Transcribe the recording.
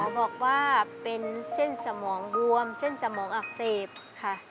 บอกว่าเป็นเส้นสมองบวมเส้นสมองอักเสบค่ะ